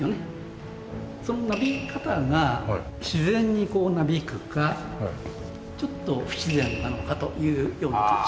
そのなびき方が自然になびくかちょっと不自然なのかというような感じ。